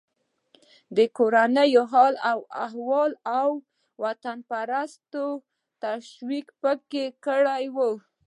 د کورني حال و احوال او وطنپرستۍ ته تشویق یې پکې کړی و.